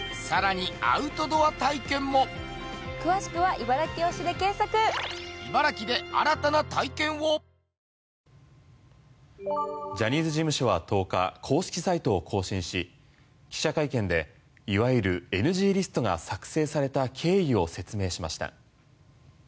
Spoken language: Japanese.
被告である国と熊本県ジャニーズ事務所は１０日公式サイトを更新し記者会見でいわゆるＮＧリストが作成された経緯を説明しました。